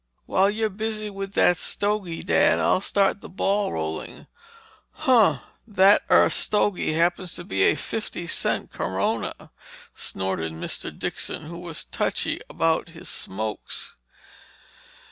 "While you're busy with that stogie, Dad, I'll start the ball rolling." "Humph! That—er—stogie happens to be a fifty cent Corona!" snorted Mr. Dixon who was touchy about his smokes.